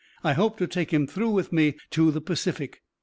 I hope to take him through with me to the Pacific.